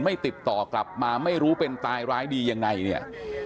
ติดต่อกลับมาไม่รู้เป็นตายร้ายดียังไงเนี่ย